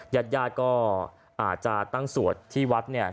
ญาติญาติก็อาจจะตั้งสวดที่วัดเนี่ย